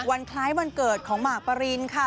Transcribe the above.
วันคล้ายวันเกิดของหมากปรินค่ะ